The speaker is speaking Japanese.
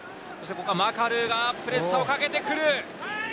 マカルーがプレッシャーをかけてくる。